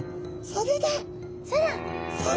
それだ！